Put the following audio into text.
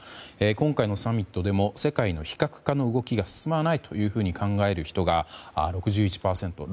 今回のサミットでも世界の非核化の動きは進まないというふうに考える人が６１％と